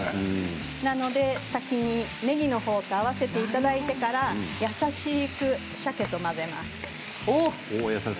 なので、先にねぎのほうと合わせていただいてから優しくさけと混ぜます。